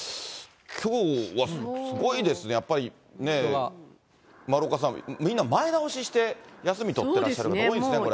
きょうはすごいですね、やっぱりね、丸岡さん、みんな前倒しして休み取ってらっしゃる方多いですね、これ。